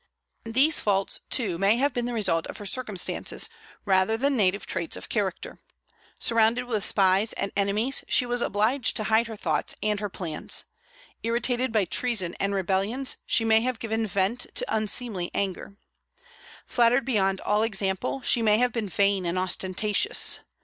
These faults, too, may have been the result of her circumstances, rather than native traits of character. Surrounded with spies and enemies, she was obliged to hide her thoughts and her plans. Irritated by treason and rebellions, she may have given vent to unseemly anger. Flattered beyond all example, she may have been vain and ostentatious.